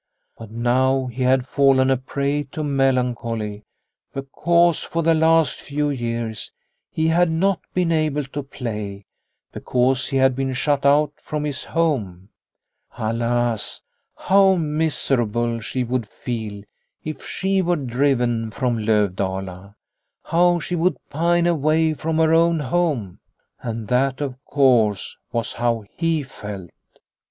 But now he had fallen a prey to melancholy, because for the last few years he had not been able to play, because he had been shut out from his home. Alas, how miserable she would feel if she were driven from Lovdala. How she would pine, away from her own home ! And that, of course, was how he felt.